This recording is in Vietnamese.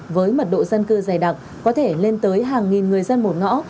với mật độ dân cư dày đặc có thể lên tới hàng nghìn người dân một ngõ